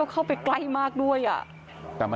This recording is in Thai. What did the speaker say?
อุ๊ยเข้าไปใกล้ด้วยหนู